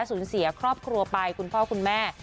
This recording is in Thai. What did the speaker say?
สูญเสียครอบครัวไปคุณพ่อคุณแม่